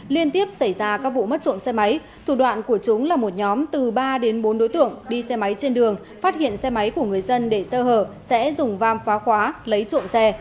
liên tiếp xảy ra các vụ mất trộm xe máy thủ đoạn của chúng là một nhóm từ ba đến bốn đối tượng đi xe máy trên đường phát hiện xe máy của người dân để sơ hở sẽ dùng vam phá khóa lấy trộm xe